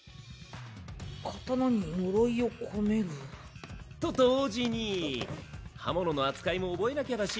刀に呪いを込める。と同時に刃物の扱いも覚えなきゃだし。